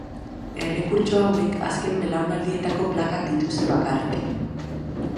Errekurtso hauek azken belaunaldietako plakak dituzte bakarrik.